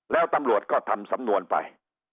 แล้วตำรวจก็ทำสำนวนไป